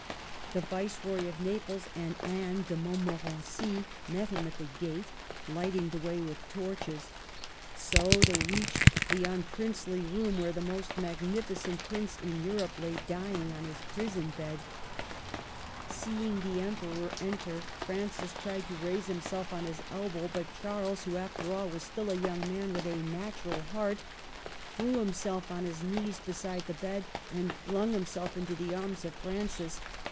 The Viceroy of Naples and Anne de Montmorency met him at the gate, lighting the way with torches. So they reached the unprincely room where the most magnificent prince in Europe lay dying on his prison bed. THE CAPTIVITY, 95 Seeing the Emperor enter, Francis tried to raise himself on his elbow ; but Charles, who, after all, was still a young man with a natural heart, threw himself on his knees beside the bed and flung himself into the arms of Francis.